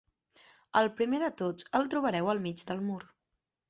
El primer de tots el trobareu al mig del mur.